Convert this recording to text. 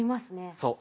そう。